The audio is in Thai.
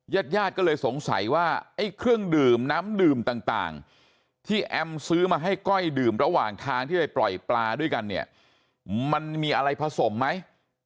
ญาติญาติก็เลยสงสัยว่าไอ้เครื่องดื่มน้ำดื่มต่างที่แอมซื้อมาให้ก้อยดื่มระหว่างทางที่ไปปล่อยปลาด้วยกันเนี่ยมันมีอะไรผสมไหม